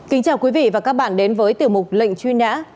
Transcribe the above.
kính chào quý vị và các bạn đến với tiểu mục lệnh truy nã